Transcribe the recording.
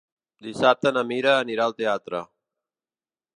Dissabte na Mira anirà al teatre.